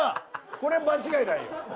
これ間違いないよ。